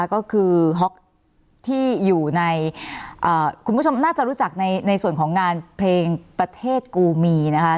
ก็คือฮ็อกที่อยู่ในคุณผู้ชมน่าจะรู้จักในส่วนของงานเพลงประเทศกูมีนะคะ